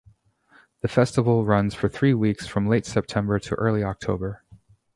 The Festival runs for three weeks from late September to early October.